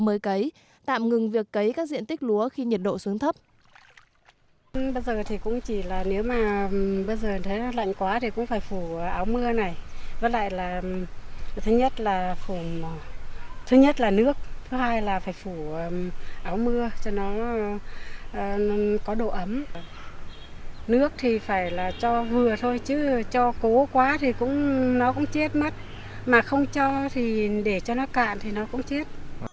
mới cấy tạm ngừng việc cấy các diện tích lúa khi nhiệt độ xuống thấp